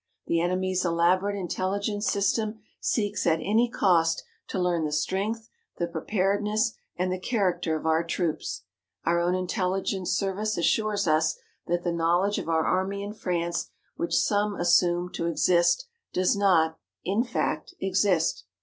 The enemy's elaborate intelligence system seeks at any cost to learn the strength, the preparedness, and the character of our troops. Our own intelligence service assures us that the knowledge of our army in France which some assume to exist does not, in fact, exist.